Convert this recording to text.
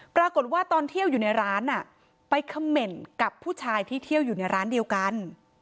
ปรากฏว่าตอนเที่ยวอยู่ในร้านไปเขม่นกับผู้ชายที่เที่ยวอยู่ในร้านเดียวกัน